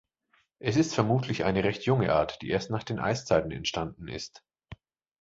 Es ist vermutlich eine recht junge Art, die erst nach den Eiszeiten entstanden ist.